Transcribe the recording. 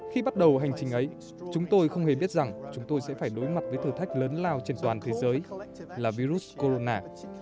khi bắt đầu hành trình ấy chúng tôi không hề biết rằng chúng tôi sẽ phải đối mặt với thử thách lớn lao trên toàn thế giới là virus corona